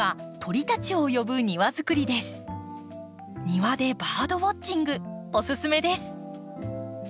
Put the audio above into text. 庭でバードウォッチングおすすめです。